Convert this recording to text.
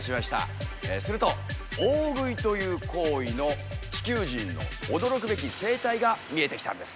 すると大食いという行為の地球人の驚くべき生態が見えてきたんです。